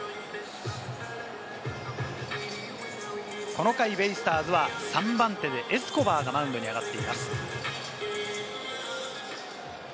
この回、ベイスターズは３番手でエスコバーがマウンドに上がっています。